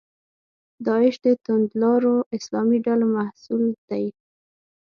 داعش د توندلارو اسلامي ډلو محصول دی.